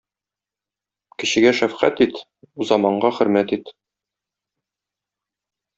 Кечегә шәфкать ит, узаманга хөрмәт ит.